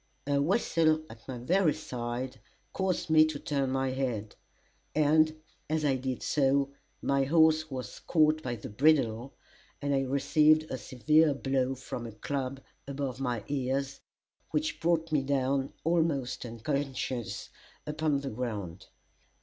A whistle at my very side caused me to turn my head, and as I did so, my horse was caught by the bridle, and I received a severe blow from a club above my ears, which brought me down, almost unconscious, upon the ground.